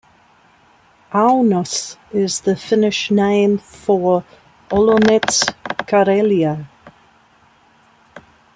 "Aunus" is the Finnish name for Olonets Karelia.